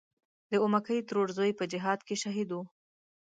د اومکۍ ترور زوی په جهاد کې شهید و.